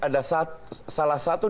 ada salah satu